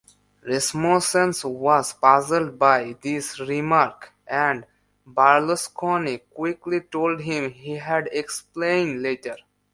Rasmussen was puzzled by this remark and Berlusconi quickly told him he'd explain later.